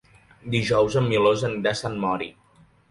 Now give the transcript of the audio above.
Dijous en Milos anirà a Sant Mori.